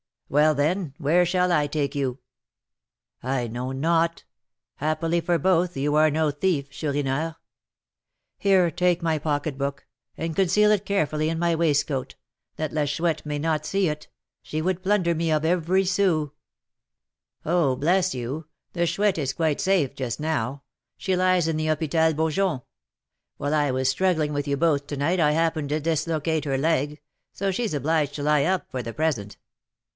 "Well, then, where shall I take you?" "I know not. Happily for both, you are no thief, Chourineur. Here, take my pocketbook, and conceal it carefully in my waistcoat, that La Chouette may not see it; she would plunder me of every sou." "Oh, bless you! the Chouette is quite safe just now; she lies in the Hôpital Beaujon. While I was struggling with you both to night I happened to dislocate her leg, so she's obliged to lie up for the present."